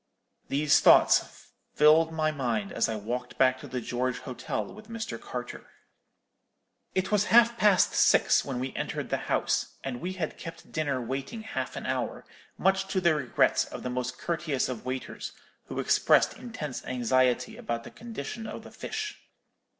"These thoughts filled my mind as I walked back to the George Hotel with Mr. Carter. "It was half past six when we entered the house, and we had kept dinner waiting half an hour, much to the regret of the most courteous of waiters, who expressed intense anxiety about the condition of the fish.